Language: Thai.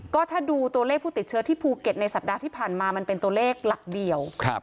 ก็ถ้าดูตัวเลขผู้ติดเชื้อที่ภูเก็ตในสัปดาห์ที่ผ่านมามันเป็นตัวเลขหลักเดียว